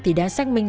thì đã xác minh